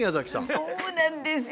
そうなんですよ。